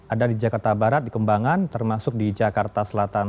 ada di jakarta barat di kembangan termasuk di jakarta selatan